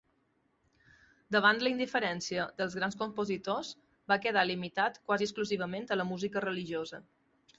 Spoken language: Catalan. Davant la indiferència dels grans compositors, va quedar limitat quasi exclusivament a la música religiosa.